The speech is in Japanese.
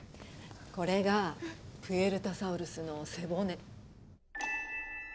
これがプエルタサウルスの背骨。